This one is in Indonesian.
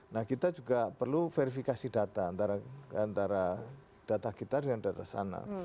nah kita juga perlu verifikasi data antara data kita dengan data sana